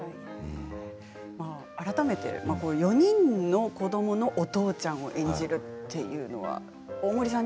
改めて４人の子どものお父ちゃんを演じるっていうのは大森さん